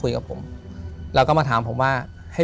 ถูกต้องไหมครับถูกต้องไหมครับ